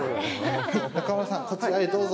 中丸さん、こちらへどうぞ。